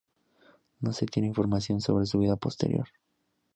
No se tiene información sobre su vida posterior.